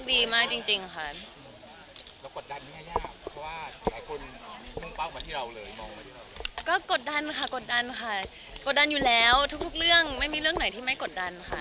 เพราะว่ามันก็จะมีคนอยากดูบ้างคนไม่อยากดูบ้างในทุกเรื่องที่เราเล่นกันค่ะ